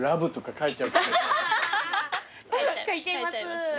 書いちゃいますね。